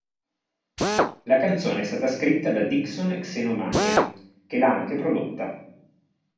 La canzone è stata scritta da Dixon e Xenomania che l'ha anche prodotta.